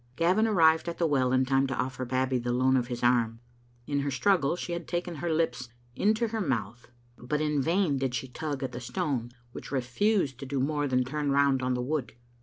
Gavin arrived at the well in time to offer Babbie the loan of his arms. In her struggle she had taken her lips into her mouth, but in vain did she tug at the stone, which refused to do more than turn round on the wood.